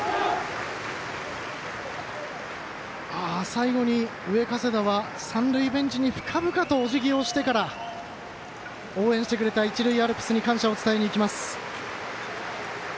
最後に上加世田は三塁ベンチに深々とおじぎをしてから応援してくれた一塁アルプスに感謝を伝えに行きます。